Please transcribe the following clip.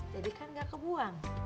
jadi kan gak kebuang